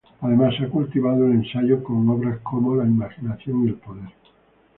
Además, ha cultivado el ensayo con obras como "La imaginación y el poder.